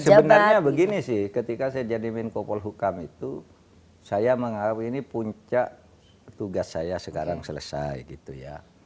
sebenarnya begini sih ketika saya jadi menko polhukam itu saya menganggap ini puncak tugas saya sekarang selesai gitu ya